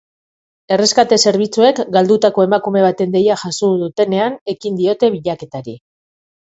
Erreskate zerbitzuek galdutako emakume baten deia jaso dutenean ekin diote bilaketari.